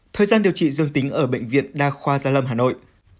thời gian điều trị dương tính ở bệnh viện đa khoa gia lâm hà nội